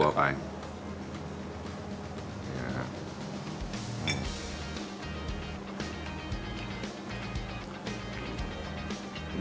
นี่แหละครับ